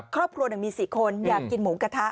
ครอบครัวมี๔คนอยากกินหมูกระทะ